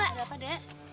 ada apa dek